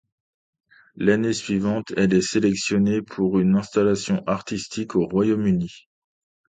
L'année suivante, elle est sélectionnée pour une installation artistique au Royaume-unis.